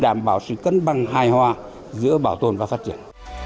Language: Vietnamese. đảm bảo sự cân bằng hài hòa giữa bảo tồn và phát triển